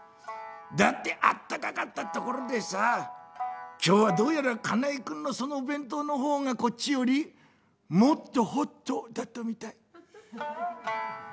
だってあったかかったところでさあ今日はどうやら金井君のその弁当の方がこっちよりもっとほっとだったみたい」。